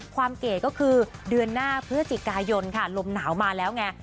ความเก๋คือเดือนหน้าเพื่อจิกายนค่ะลมหนาวมาแล้วไง